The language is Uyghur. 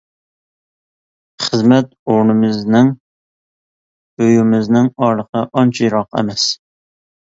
خىزمەت ئورنىمىزنىڭ، ئۆيىمىزنىڭ ئارىلىقى ئانچە يىراق ئەمەس.